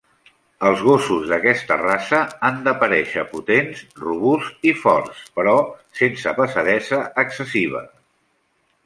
Els gossos d'aquesta raça han d'aparèixer potents, robusts i forts però sense pesadesa excessiva.